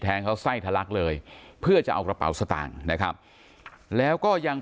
เขาไส้ทะลักเลยเพื่อจะเอากระเป๋าสตางค์นะครับแล้วก็ยัง